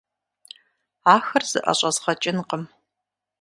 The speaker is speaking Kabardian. Ахэр зыӀэщӀэзгъэкӀынкъым.